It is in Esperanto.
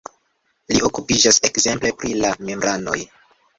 Li okupiĝas ekzemple pri la membranoj.